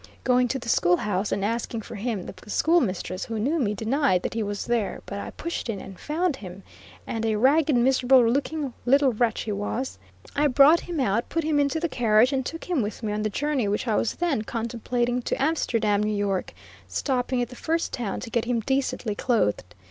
Going to the schoolhouse and asking for him, the school mistress, who knew me, denied that he was there, but I pushed in, and found him, and a ragged, miserable looking little wretch he was. I brought him out, put him into the carriage and took him with me on the journey which I was then contemplating to Amsterdam, N. Y., stopping at the first town to get him decently clothed.